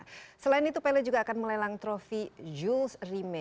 nah selain itu pele juga akan melelang trofi jules rime